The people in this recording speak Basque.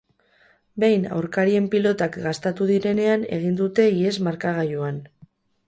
Behin aurkarien pilotak gastatu direnean egin dute ihes markagailuan.